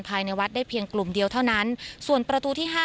ภายในวัดได้เพียงกลุ่มเดียวเท่านั้นส่วนประตูที่ห้า